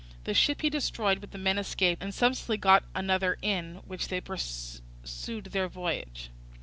The ship he destroyed, but the men escaped, and subsequently got another in which they pursued their voyage.